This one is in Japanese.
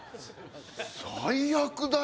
最悪だよ